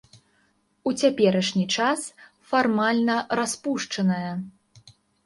У цяперашні час фармальна распушчаная.